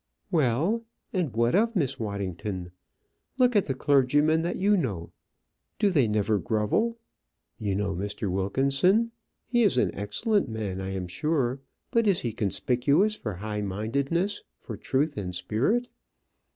"Well; and what of Miss Waddington? Look at the clergymen that you know; do they never grovel? You know Mr. Wilkinson; he is an excellent man, I am sure, but is he conspicuous for highmindedness, for truth and spirit?"